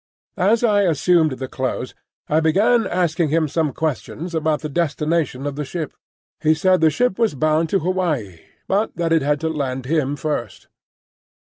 As I assumed the clothes, I began asking him some questions about the destination of the ship. He said the ship was bound to Hawaii, but that it had to land him first.